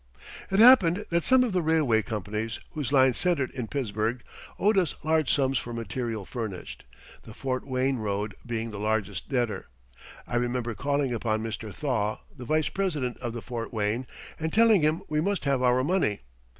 It happened that some of the railway companies whose lines centered in Pittsburgh owed us large sums for material furnished the Fort Wayne road being the largest debtor. I remember calling upon Mr. Thaw, the vice president of the Fort Wayne, and telling him we must have our money.